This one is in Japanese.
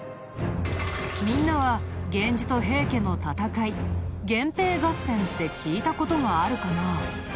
みんなは源氏と平家の戦い源平合戦って聞いた事があるかな？